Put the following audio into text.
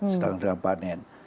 sedangkan dengan panen